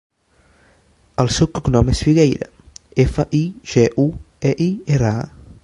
El seu cognom és Figueira: efa, i, ge, u, e, i, erra, a.